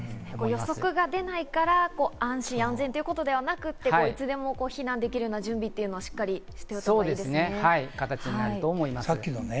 予測が出ないから安心・安全ということではなくて、いつでも避難できるような準備というのは、しっかりしておく必要がありますね。